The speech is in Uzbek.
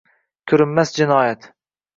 Ko‘rinmas jinoyat